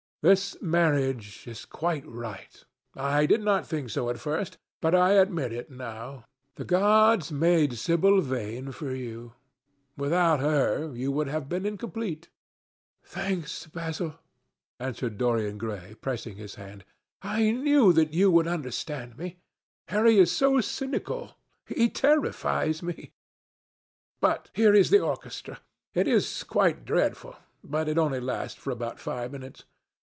This marriage is quite right. I did not think so at first, but I admit it now. The gods made Sibyl Vane for you. Without her you would have been incomplete." "Thanks, Basil," answered Dorian Gray, pressing his hand. "I knew that you would understand me. Harry is so cynical, he terrifies me. But here is the orchestra. It is quite dreadful, but it only lasts for about five minutes.